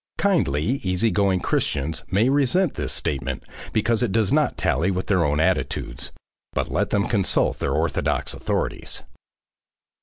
Kindly easy going Christians may resent this statement because it does not tally with their own attitudes, but let them consult their orthodox authorities.